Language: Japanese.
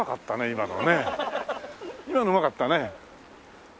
今のうまかったね。